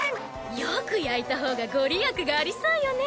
よく焼いたほうがご利益がありそうよね。